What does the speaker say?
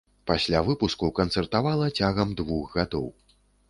Пасля выпуску канцэртавала цягам двух гадоў.